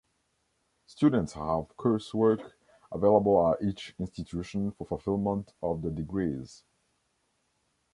Students have coursework available at each institution for fulfillment of the degrees.